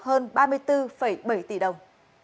hơn ba mươi bốn bảy tỷ đồng